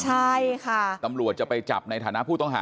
ใช่ค่ะตำรวจจะไปจับในฐานะผู้ต้องหา